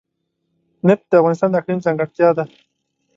نفت د افغانستان د اقلیم ځانګړتیا ده.